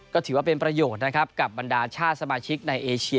ก็ถือว่าเป็นประโยชน์นะครับกับบรรดาชาติสมาชิกในเอเชีย